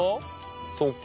そっか。